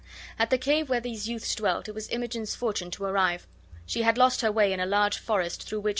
At the cave where these youths dwelt it was Imogen's fortune to arrive. She had lost her way in a large forest through which